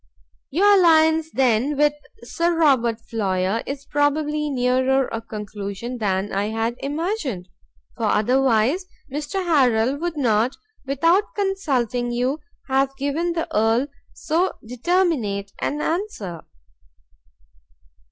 "Your alliance then with Sir Robert Floyer is probably nearer a conclusion than I had imagined, for otherwise Mr Harrel would not, without consulting you, have given the Earl so determinate an answer."